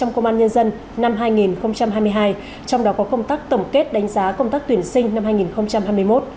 trong công an nhân dân năm hai nghìn hai mươi hai trong đó có công tác tổng kết đánh giá công tác tuyển sinh năm hai nghìn hai mươi một